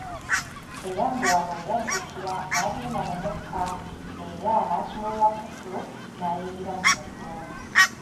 Era mbu wano we yaddukira n’agenda mu mukka era n’asumulula kkufulu n’ayingira mu muliro.